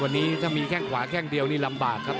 วันนี้ถ้ามีแค่งขวาแข้งเดียวนี่ลำบากครับ